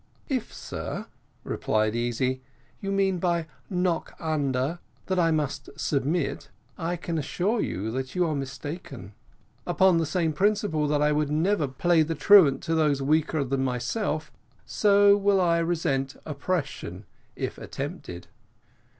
"If, sir," replied Easy, "you mean by knock under, that I must submit, I can assure you that you are mistaken. Upon the same principle that I would never play the tyrant to those weaker than myself, so will I resent oppression if attempted."